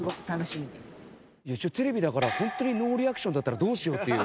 テレビだから本当にノーリアクションだったらどうしよう？っていう。